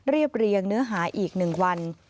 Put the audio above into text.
เรียบเรียงเนื้อหาอีก๑วัน